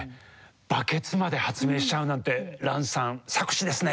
バケツまで発明しちゃうなんてランさん策士ですね。